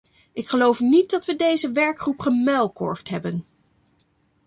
Ik geloof niet dat we deze werkgroep gemuilkorfd hebben.